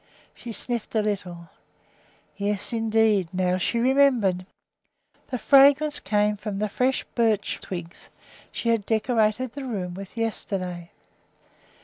She sniffed a little. Yes, indeed! now she remembered. The fragrance came from the fresh birch twigs she had decorated the room with yesterday.